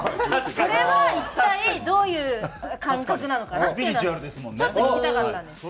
それは一体どういう感覚なのかなっていうのはちょっと聞きたかったんです。